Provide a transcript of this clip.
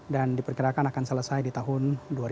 dan diperkirakan akan selesai di tahun dua ribu tiga puluh empat